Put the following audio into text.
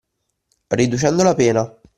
Riducendo la pena